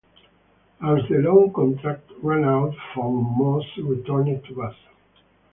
As the loan contract ran out von Moos returned to Basel.